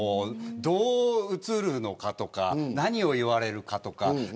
どう映るのかとか何を言われるのかとか。